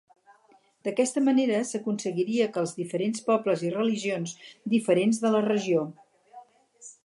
D'aquesta manera, s'aconseguiria que els diferents pobles i religions diferents de la regió.